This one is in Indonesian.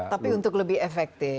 tapi untuk lebih efektif